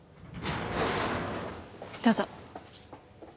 どうぞ。